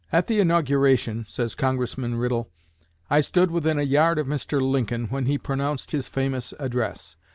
"At the inauguration," says Congressman Riddle, "I stood within a yard of Mr. Lincoln when he pronounced his famous address.